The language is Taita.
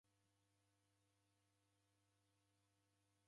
Mayo ndekunde kuche kwapo.